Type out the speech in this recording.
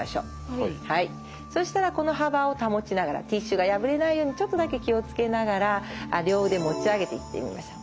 そしたらこの幅を保ちながらティッシュが破れないようにちょっとだけ気を付けながら両腕持ち上げていってみましょう。